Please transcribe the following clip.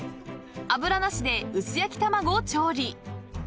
［油なしで薄焼き卵を調理］